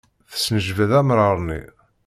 Tesnejbad amrar-nni.